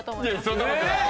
そんなことない。